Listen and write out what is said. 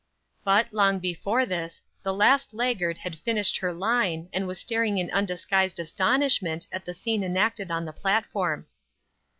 But, long before this, the last laggard had finished her line, and was staring in undisguised astonishment at the scene enacted on the platform.